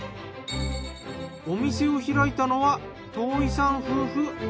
お店を開いたのは遠井さん夫婦。